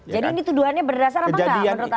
jadi ini tuduhannya berdasar apa enggak menurut anda